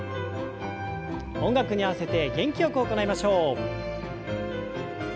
音楽に合わせて元気よく行いましょう。